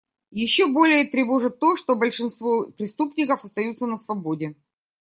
Еще более тревожит то, что большинство преступников остаются на свободе.